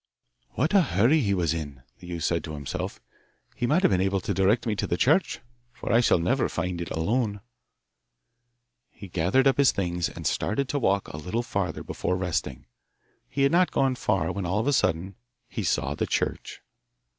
'What a hurry he was in!' the youth said to himself. 'He might have been able to direct me to the church, for I shall never find it alone.' He gathered up his things, and started to walk a little farther before resting. He had not gone far when all of a sudden he saw the church!